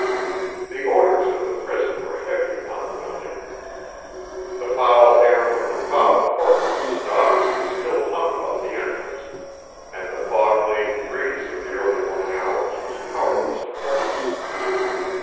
The odors of the prison were heavy upon the building. The foul air from the foul court rooms and offices still hung about the entrance, and the fog laden breeze of the early morning hours was powerless to freshen it.